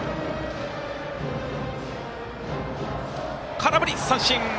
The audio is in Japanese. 空振り三振。